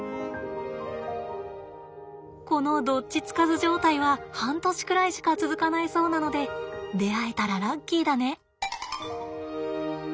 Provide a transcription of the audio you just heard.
このどっちつかず状態は半年くらいしか続かないそうなので出会えたらラッキーだね。